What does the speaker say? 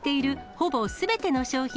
ほぼすべての商品